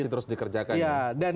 masih terus dikerjakan